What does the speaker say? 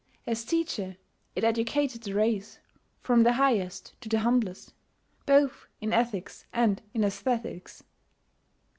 As teacher, it educated the race, from the highest to the humblest, both in ethics and in esthetics.